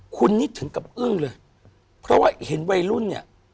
คุณนี่ถึงกับอึ้งเลยเพราะว่าเห็นวัยรุ่นเนี่ย